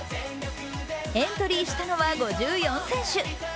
エントリーしたのは５４選手。